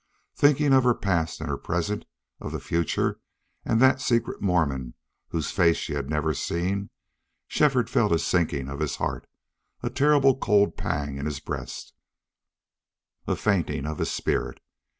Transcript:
Thinking of her past and her present, of the future, and that secret Mormon whose face she had never seen, Shefford felt a sinking of his heart, a terrible cold pang in his breast, a fainting of his spirit.